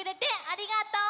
ありがとう！